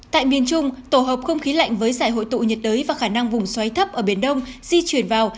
tại miền trung tổ hợp không khí lạnh với giải hội tụ nhiệt đới và khả năng vùng xoáy thấp ở biển đông di chuyển vào